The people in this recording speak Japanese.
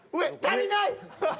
足りない！